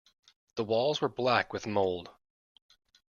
The walls were black with mould.